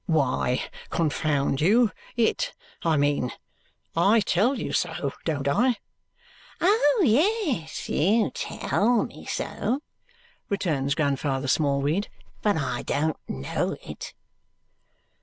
"Why, con found you it, I mean I tell you so, don't I?" "Oh, yes, you tell me so," returns Grandfather Smallweed. "But I don't know it."